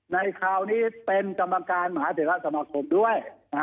ในคราวนี้เป็นกรรมการมหาเทราสมาคมด้วย